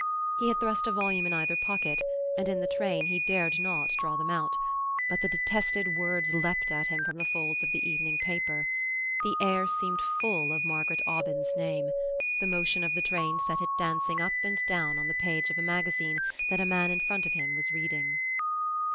He had thrust a volume in either pocket and in the train he dared not draw them out; but the detested words leaped at him from the folds of the evening paper. The air seemed full of Margaret Aubyn's name. The motion of the train set it dancing up and down on the page of a magazine that a man in front of him was reading....